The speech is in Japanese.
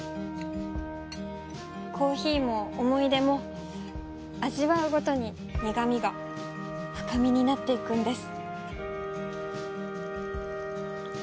コーヒーも思い出も味わうごとに苦味が深みになっていくんです。